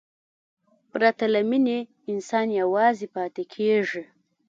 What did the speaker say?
پرته له مینې، انسان یوازې پاتې کېږي.